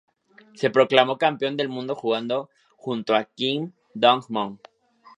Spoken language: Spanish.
Se proclamó campeón del mundo jugando junto a Kim Dong-moon.